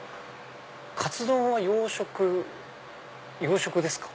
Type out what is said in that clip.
カツ丼は洋食洋食ですか？